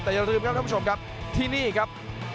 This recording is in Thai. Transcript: แต่อย่าลืมครับท่านผู้ชมครับที่นี่ครับ